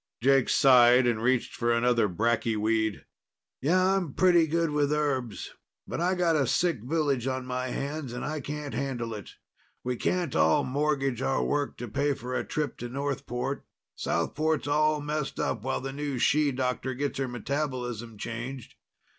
Jake sighed and reached for another bracky weed. "Yeah, I'm pretty good with herbs. But I got a sick village on my hands and I can't handle it. We can't all mortgage our work to pay for a trip to Northport. Southport's all messed up while the new she doctor gets her metabolism changed.